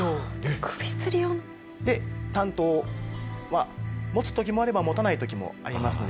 短刀をまあ持つ時もあれば持たない時もありますので。